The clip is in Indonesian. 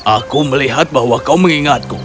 aku melihat bahwa kau mengingatku